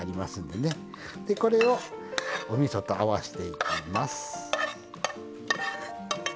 でこれをおみそと合わしていきます。